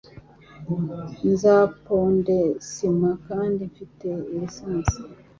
Nzaponde sima kandi mfite licence